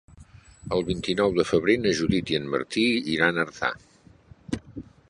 El vint-i-nou de febrer na Judit i en Martí iran a Artà.